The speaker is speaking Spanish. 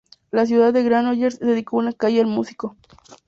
La ciudad de Granollers dedicó una calle al músico.